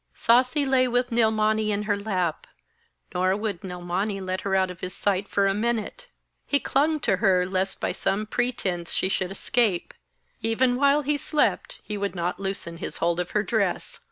Sasi lay with Nilmani in her lap, nor would Nilmani let her out of his sight for a minute; he clung to her lest by some pretence she should escape; even while he slept he would not loosen his hold of her dress.